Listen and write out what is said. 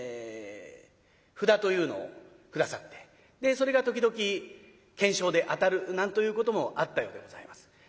札というのを下さってそれが時々懸賞で当たるなんということもあったようでございます。